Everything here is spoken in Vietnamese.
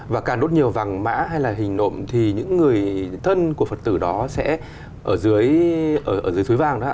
và cả đốt nhiều vàng mã hay là hình nộm thì những người thân của phật tử đó sẽ ở dưới suối vàng đó